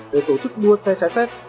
để tổ chức đua xe trái phép